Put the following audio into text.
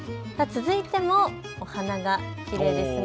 続いてもお花がきれいです。